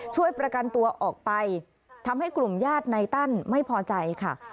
ช่วยประกันตัวออกไปทำให้กลุ่มญาติในตั้นไม่พอใจค่ะ